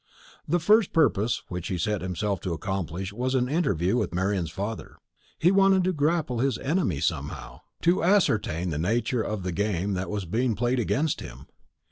The first purpose which he set himself to accomplish was an interview with Marian's father. He wanted to grapple his enemy somehow to ascertain the nature of the game that was being played against him.